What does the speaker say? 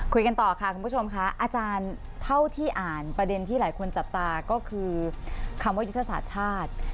คุยกันต่อค่ะคุณผู้ชมค่ะอาจารย์เท่าที่อ่านประเด็นที่หลายคนจับตาก็คือคำว่ายุทธศาสตร์ชาติ